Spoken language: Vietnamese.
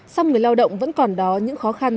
xong người lao động vẫn còn đó những khó khăn